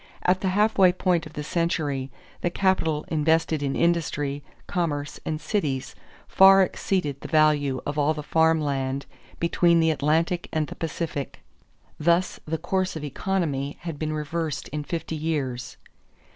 At the halfway point of the century, the capital invested in industry, commerce, and cities far exceeded the value of all the farm land between the Atlantic and the Pacific; thus the course of economy had been reversed in fifty years.